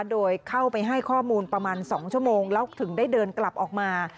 โดยเข้าไปให้ข้อมูลประมาณ๒ชั่วโมงแล้วถึงได้เดินกลับออกมา